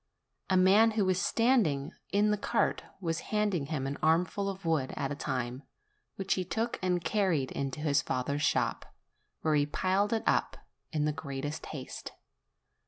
A man who was standing in the cart was handing him an armful of wood at a time, which he took and carried into his father's shop, where he piled it up in the greatest haste.